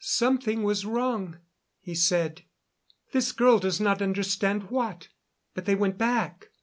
Something was wrong, he said. This girl does not understand what. But they went back.